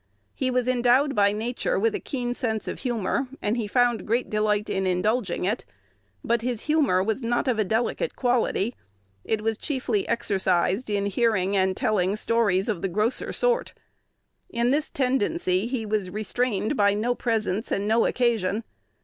He was endowed by nature with a keen sense of humor, and he found great delight in indulging it. But his humor was not of a delicate quality; it was chiefly exercised in hearing and telling stories of the grosser sort. In this tendency he was restrained by no presence and no occasion.